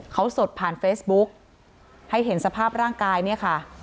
เขาสดผ่านเฟซบุ๊กให้เห็นสภาพร่างกายเนี่ยค่ะ